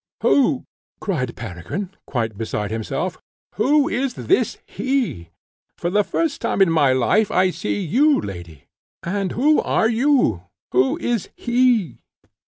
"Who," cried Peregrine, quite beside himself, "who is this HE? For the first time in my life I see you, lady, and who are YOU? who is this HE?"